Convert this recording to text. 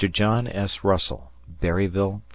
John S. Russell, Berryville, Va.